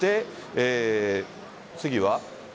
次は。